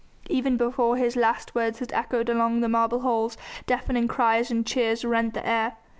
Even before his last words had echoed along the marble walls, deafening cries and cheers rent the air.